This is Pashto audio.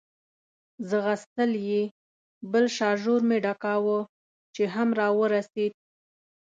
ځغستل یې، بل شاژور مې ډکاوه، چې هم را ورسېد.